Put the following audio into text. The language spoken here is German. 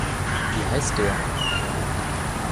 Wie heißt der?